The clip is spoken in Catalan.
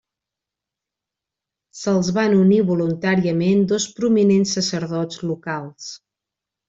Se'ls van unir voluntàriament dos prominents sacerdots locals.